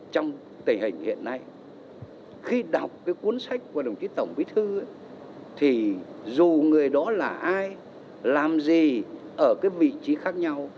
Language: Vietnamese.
trong tình hình hiện nay khi đọc cái cuốn sách của đồng chí tổng bí thư thì dù người đó là ai làm gì ở cái vị trí khác nhau